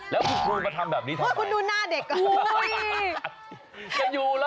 แล้วคุณครูมาทำแบบนี้ทำไมคุณดูหน้าเด็กอ่ะ